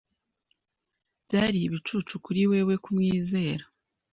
Byari ibicucu kuri wewe kumwizera.